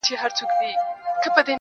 • زما خو ټوله كيسه هر چاته معلومه.